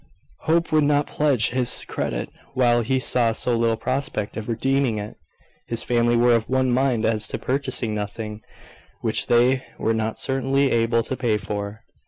Hope would not pledge his credit while he saw so little prospect of redeeming it. His family were of one mind as to purchasing nothing which they were not certainly able to pay for.